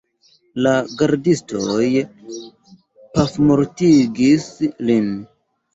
La gardistoj pafmortigis lin.